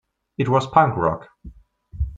It was punk rock.